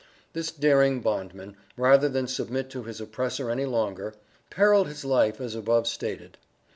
This daring bondman, rather than submit to his oppressor any longer, perilled his life as above stated.